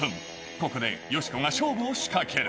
ここでよしこが勝負を仕掛ける。